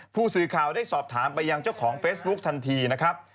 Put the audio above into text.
ผู้สื่อข่าวได้สอบถามไปยังเจ้าของเฟซบุ๊คทันทีนะครับ